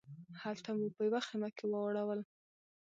هلته مو په یوه خیمه کې واړول.